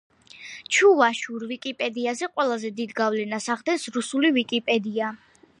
ჩუვაშურ ვიკიპედიაზე ყველაზე დიდ გავლენას ახდენს რუსული ვიკიპედია.